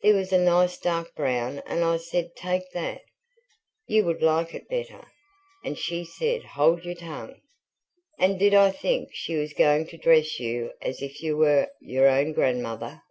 "There was a nice dark brown and I said take that, you would like it better, and she said hold your tongue, and did I think she was going to dress you as if you were your own grandmother."